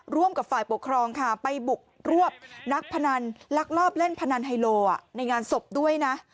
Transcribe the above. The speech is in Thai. ร่วมกับฝ่ายปกครองค่ะไปบุกรวบนักพนันลักลอบเล่นพนันไฮโลในงานศพด้วยนะ